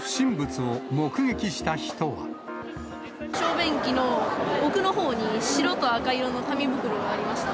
小便器の奥のほうに、白と赤色の紙袋がありました。